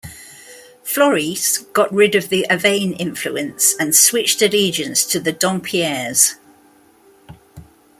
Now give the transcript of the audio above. Floris got rid of the Avesnes influence and switched allegiance to the Dampierres.